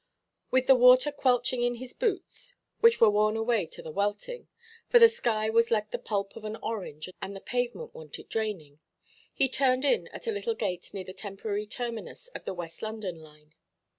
With the water quelching in his boots (which were worn away to the welting)—for the sky was like the pulp of an orange, and the pavement wanted draining—he turned in at a little gate near the temporary terminus of the West London line.